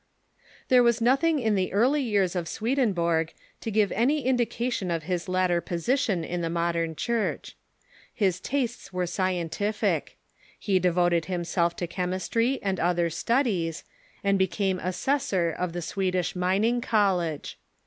There was nothing in the early years of Swedenborg to give any indication of his later position in the modern Church. His „^^ tastes Avere scientific. He devoted himself to chem Swedenborg ..,..,,.,,., istry and similar studies, and became assessor of the Swedish Mining College.